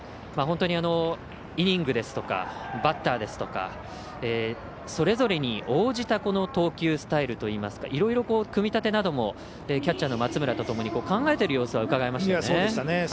本当にイニングですとかバッターですとかそれぞれに応じた投球スタイルといいますかいろいろ、組み立てなどもキャッチャーの松村とともに考えている様子はうかがえましたよね。